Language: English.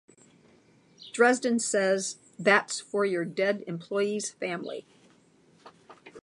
Dresden says That's for your dead employee's family.